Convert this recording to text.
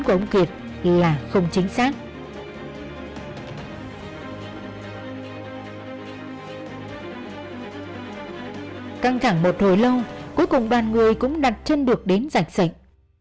cuối cùng đoàn người cũng đặt chân được đến giành sạch